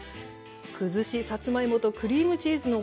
「くずしさつまいもとクリームチーズのご飯」。